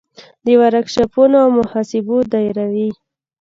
د ورکشاپونو او مصاحبو دایروي.